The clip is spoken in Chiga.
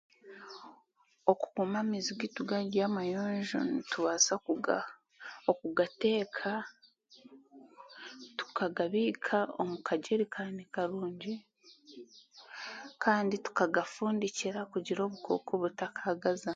Okukuuma amaizi g'eitu gari amayonjo nitubaasa okugateeka, tukagabiika omu kagyerikani karungi kandi tukagafundikira kugira obukooko butazamu.